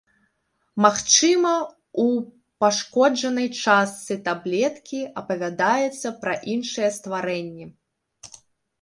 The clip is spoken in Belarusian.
Магчыма, у пашкоджанай частцы таблеткі апавядаецца пра іншыя стварэнні.